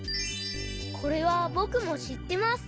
これはぼくもしってます。